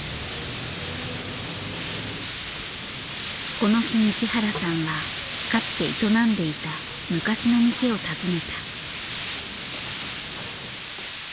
この日西原さんはかつて営んでいた昔の店を訪ねた。